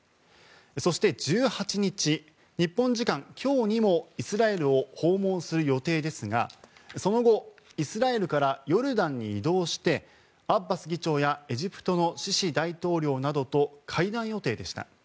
そして、１８日日本時間、今日にもイスラエルを訪問する予定ですがその後、イスラエルからヨルダンに移動してアッバス議長やエジプトのシシ大統領などと会談予定でした。